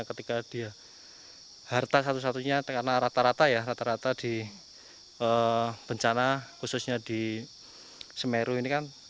ketika dia harta satu satunya karena rata rata ya rata rata di bencana khususnya di semeru ini kan